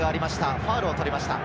ファウルを取りました。